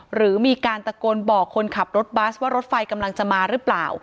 หรือมีการตะโกนบอกคนขับรถบัสว่ารถไฟกำลังจะมาหรือเปล่า